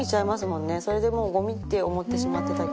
それでもうごみって思ってしまってたけど。